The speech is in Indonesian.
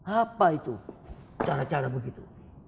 apa itu cara cara begitu